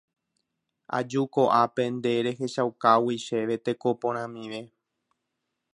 Aju ko'ápe nde rehechaukágui chéve teko porãmive.